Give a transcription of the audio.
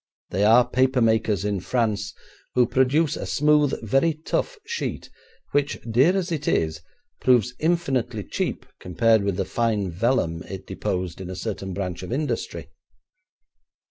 They are paper makers in France, who produce a smooth, very tough sheet, which, dear as it is, proves infinitely cheap compared with the fine vellum it deposed in a certain branch of industry.